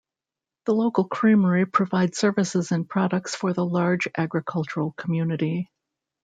The local creamery provides services and products for the large agricultural community.